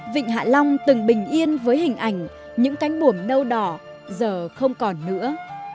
vịnh hạ long từng bình yên với hình ảnh những cánh buồm nâu đỏ giờ không còn nữa